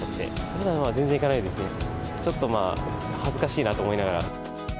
ふだんは全然行かないですね、ちょっとまあ、恥ずかしいなと思いながら。